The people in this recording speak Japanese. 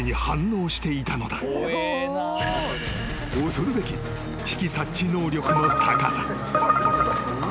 ［恐るべき危機察知能力の高さ］